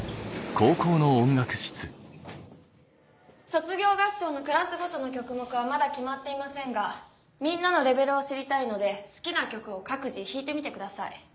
卒業合唱のクラスごとの曲目はまだ決まっていませんがみんなのレベルを知りたいので好きな曲を各自弾いてみてください。